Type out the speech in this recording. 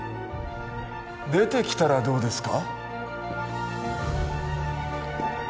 出てきたらどうですか？